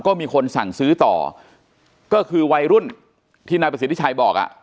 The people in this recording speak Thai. ก็มีคนสั่งซื้อต่อก็คือวัยรุ่นที่นายประสิทธิชัยบอกอ่ะ